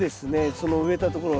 その植えたところを。